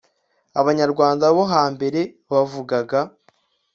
abanyarwanda bo hambere bavugaga